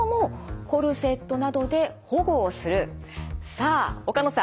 さあ岡野さん